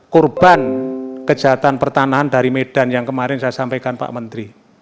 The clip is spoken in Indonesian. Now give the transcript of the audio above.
korban kejahatan pertanahan dari medan yang kemarin saya sampaikan pak menteri